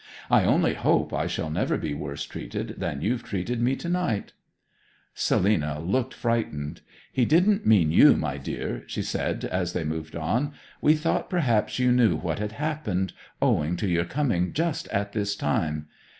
'I only hope I shall never be worse treated than you've treated me to night!' Selina looked frightened. 'He didn't mean you, dear,' she said as they moved on. 'We thought perhaps you knew what had happened, owing to your coming just at this time.